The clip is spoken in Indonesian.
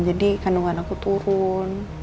jadi kandungan aku turun